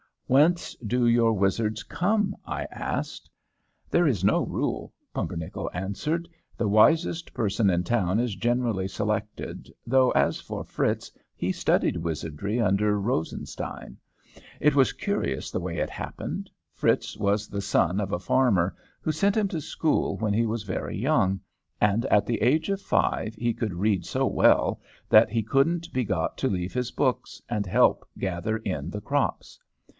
"Whence do your wizards come?" I asked. "There is no rule," Pumpernickel answered. "The wisest person in town is generally selected, though, as for Fritz, he studied wizardry under Rosenstein. It was curious the way it happened. Fritz was the son of a farmer, who sent him to school when he was very young, and at the age of five he could read so well that he couldn't be got to leave his books and help gather in the crops.